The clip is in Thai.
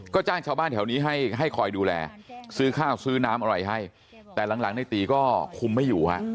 ก็จ้างชาวบ้านแถวนี้ให้คอยดูแลซื้อข้าวซื้อน้ำอะไรให้แต่หลังในตีก็คุมไม่อยู่ฮะ